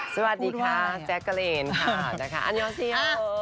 สวัสดีค่ะแจ๊คเกอร์เรนค่ะอันยองซิโอ